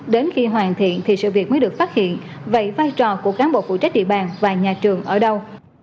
đến khi hoàn thiện thì sự việc mới được phát hiện vậy vai trò của cán bộ phụ trách địa bàn và nhà trường ở đâu